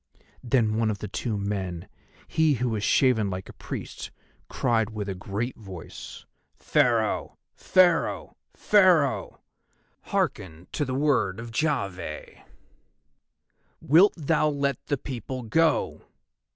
Then one of the two men, he who was shaven like a priest, cried with a great voice: "Pharaoh! Pharaoh! Pharaoh! Hearken to the word of Jahveh. Wilt thou let the people go?"